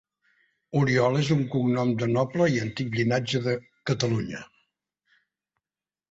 Oriol és un cognom de noble i antic llinatge de Catalunya.